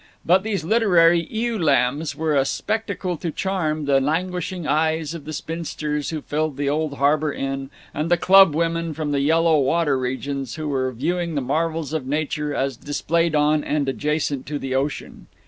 But these literary ewe lambs were a spectacle to charm the languishing eyes of the spinsters who filled the Old Harbor Inn and the club women from the yellow water regions who were viewing the marvels of nature as displayed on and adjacent to the ocean.